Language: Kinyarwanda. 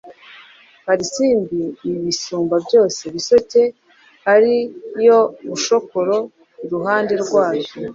Karisimbi ibisumba byose, Bisoke ari yo Bushokoro iruhande rwayo,